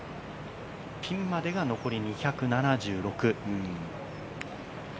ピンまでが残り２７６。